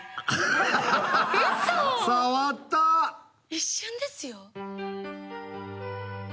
一瞬ですよ。